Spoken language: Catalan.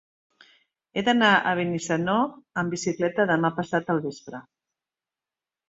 He d'anar a Benissanó amb bicicleta demà passat al vespre.